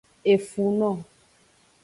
Efuno.